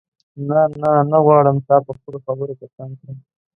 نه نه نه غواړم تا په خپلو خبرو په تنګ کړم.